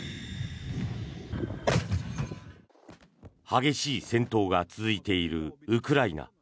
激しい戦闘が続いているウクライナ。